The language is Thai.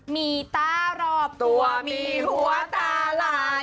มีตารอบตัวมีหัวตาลาย